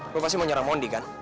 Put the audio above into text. gue pasti mau nyerang mondi kan